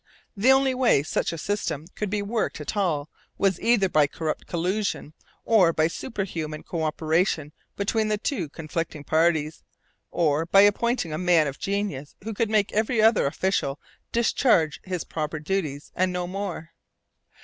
The only way such a system could be worked at all was either by corrupt collusion or by superhuman co operation between the two conflicting parties, or by appointing a man of genius who could make every other official discharge his proper duties and no more.